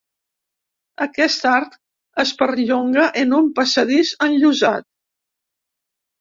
Aquest arc es perllonga en un passadís enllosat.